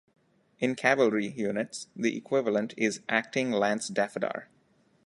In cavalry units the equivalent is acting lance daffadar.